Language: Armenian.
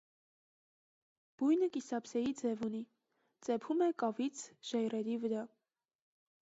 Բույնը կիսափսեի ձև ունի, ծեփում է կավից՝ ժայռերի վրա։